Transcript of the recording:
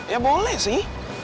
ya boleh sih